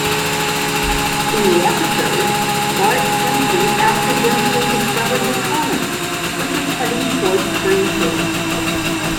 In the episode, Bart Simpson accidentally discovers a comet, which is heading towards Springfield.